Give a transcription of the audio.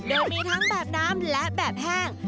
โดยมีทั้งแบบน้ำและแบบแห้ง